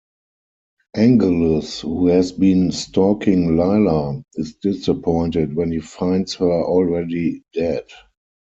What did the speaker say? Angelus, who has been stalking Lilah, is disappointed when he finds her already dead.